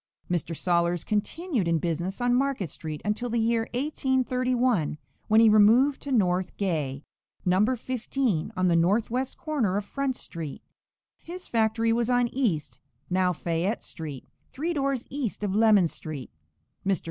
Mr. Sollers continued in business on Market street until the year 1831, when he removed to North Gay, No. 15, on the northwest corner of Front street. His factory was on East, now Fayette street, three doors east of Lemon street. Mr.